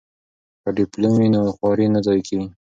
که ډیپلوم وي نو خواري نه ضایع کیږي.